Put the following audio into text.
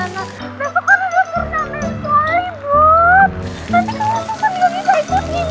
nggak kek kalau susan sakit tuh